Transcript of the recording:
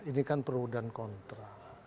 ini kan perudahan kontrol